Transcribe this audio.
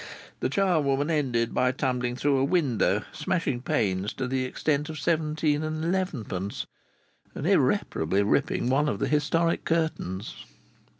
The charwoman ended by tumbling through a window, smashing panes to the extent of seventeen and elevenpence, and irreparably ripping one of the historic curtains.